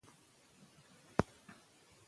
که حیا وي نو سپکاوی نه کیږي.